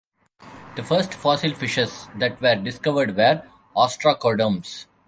The first fossil fishes that were discovered were ostracoderms.